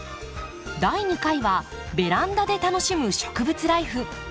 第２回はベランダで楽しむ植物ライフ。